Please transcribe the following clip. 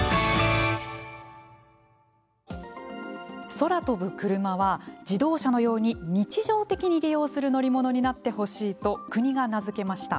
空飛ぶクルマは、自動車のように日常的に利用する乗り物になってほしいと国が名付けました。